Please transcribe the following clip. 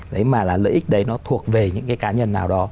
đấy mà là lợi ích đấy nó thuộc về những cái cá nhân nào đó